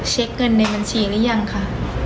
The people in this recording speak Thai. เช็คเงินในบัญชีหรือยังคะ